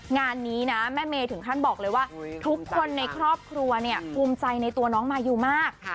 งานนี้นะแม่เมย์ถึงขั้นบอกเลยว่าทุกคนในครอบครัวเนี่ยภูมิใจในตัวน้องมายูมาก